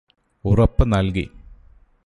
ഉറപ്പ് നല്കി.